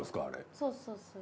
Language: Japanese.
そうそう。